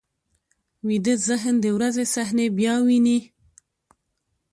ویده ذهن د ورځې صحنې بیا ویني